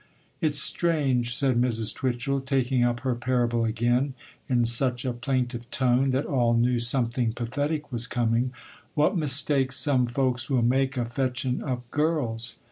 'It's strange,' said Mrs. Twitchel, taking up her parable again, in such a plaintive tone that all knew something pathetic was coming, 'what mistakes some folks will make, a fetchin' up girls.